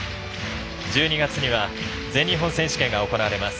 １２月には全日本選手権が行われます。